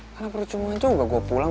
karena percuma juga gue pulang